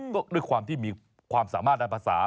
ก็ด้วยความที่มีความสามารถด้านภาษา